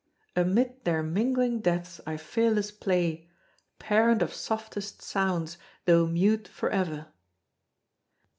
Amid their mingling deaths I fearless play Parent of softest sounds, though mute for ever!"